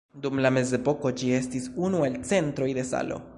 Dum la mezepoko ĝi estis unu el centroj de salo.